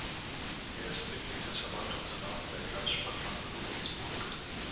Er ist Mitglied des Verwaltungsrats der Kreissparkasse Ludwigsburg.